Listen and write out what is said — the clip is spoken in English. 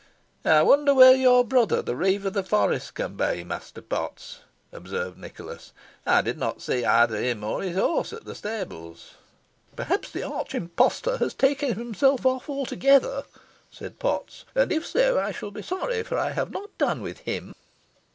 "I wonder where your brother, the reeve of the forest, can be, Master Potts!" observed Nicholas. "I did not see either him or his horse at the stables." "Perhaps the arch impostor has taken himself off altogether," said Potts; "and if so, I shall be sorry, for I have not done with him."